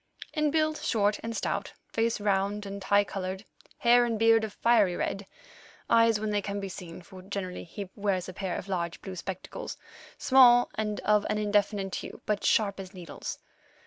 In build short and stout, face round and high coloured, hair and beard of a fiery red, eyes, when they can be seen—for generally he wears a pair of large blue spectacles—small and of an indefinite hue, but sharp as needles.